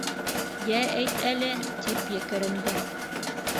Йә, әйт әле! - тип екеренде.